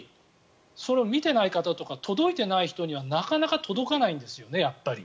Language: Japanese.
それを見ていない方とか届いていない人にはなかなか届かないんですよねやっぱり。